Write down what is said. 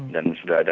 dan sudah ada